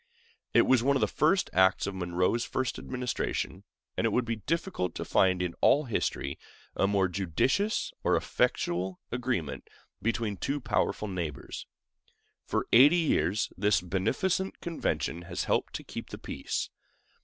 It was one of the first acts of Monroe's first administration, and it would be difficult to find in all history a more judicious or effectual agreement between two powerful neighbors. For eighty years this beneficent convention has helped to keep the peace.